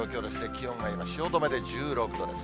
気温が今、汐留で１６度です。